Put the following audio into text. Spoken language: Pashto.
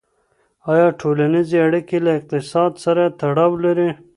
ایا ټولنیزې اړیکې له اقتصاد سره تړاو لري؟